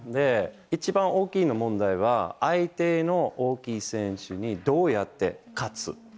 一番大きな問題は、相手の大きい選手にどうやって勝つ。